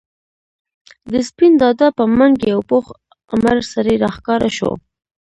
د سپين دادا په منګ یو پوخ عمر سړی راښکاره شو.